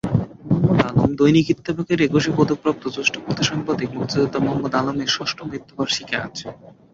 মোহাম্মদ আলমদৈনিক ইত্তেফাক-এর একুশে পদকপ্রাপ্ত জ্যেষ্ঠ ফটোসাংবাদিক মুক্তিযোদ্ধা মোহাম্মদ আলমের ষষ্ঠ মৃত্যুবার্ষিকী আজ।